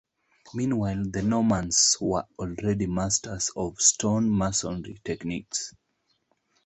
Meanwhile, the Normans were already masters of stonemasonry techniques.